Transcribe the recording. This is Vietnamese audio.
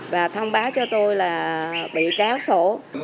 và thông báo cho tôi là bị cáo sổ